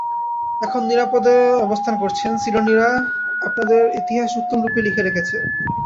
এখন নিরাপদে অবস্থান করছেন! সিলোনীরা আপনাদের ইতিহাস উত্তমরূপে লিখে রেখেছে।